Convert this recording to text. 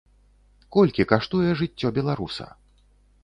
Колькі каштуе жыццё беларуса?